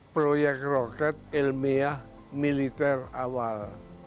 proyek roket ilmiah militer awal